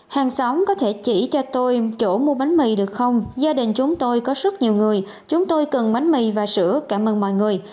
hàng xóm có thể chỉ cho tôi chỗ mua bánh mì được không gia đình chúng tôi có rất nhiều người chúng tôi cần bánh mì và sữa cảm ơn mọi người